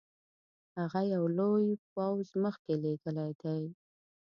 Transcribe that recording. هغه یو لوی پوځ مخکي لېږلی دی.